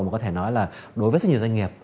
mà có thể nói là đối với rất nhiều doanh nghiệp